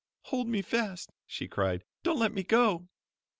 "Hold me fast," she cried; "don't let me go."